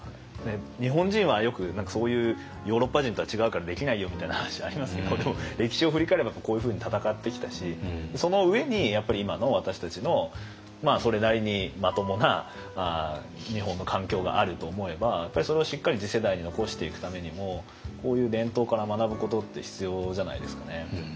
日本人はよく何かそういうヨーロッパ人とは違うからできないよみたいな話ありますけどでも歴史を振り返ればこういうふうに闘ってきたしその上にやっぱり今の私たちのそれなりにまともな日本の環境があると思えばやっぱりそれをしっかり次世代に残していくためにもこういう伝統から学ぶことって必要じゃないですかね。